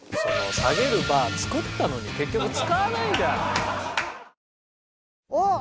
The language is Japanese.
下げるバー作ったのに結局使わないじゃん！